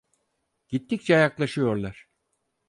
Gittikçe yaklaşıyorlar.